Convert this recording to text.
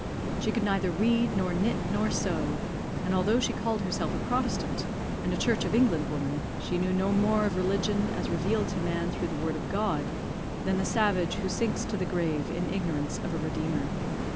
She could neither read, nor knit, nor sew; and although she called herself a Protestant, and a Church of England woman, she knew no more of religion, as revealed to man through the Word of God, than the savage who sinks to the grave in ignorance of a Redeemer.